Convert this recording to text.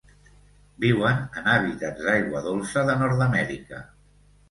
Viuen en hàbitats d'aigua dolça de Nord-Amèrica.